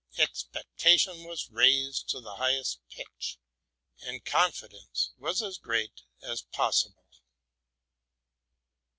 Expectation was raised to the highest pitch, and confidence was as great as possible.